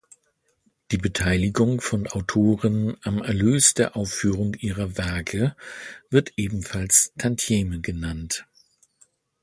Die Beteiligung von Autoren am Erlös der Aufführung ihrer Werke wird ebenfalls Tantieme genannt.